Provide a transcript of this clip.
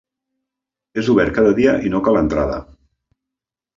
És obert cada dia i no cal entrada.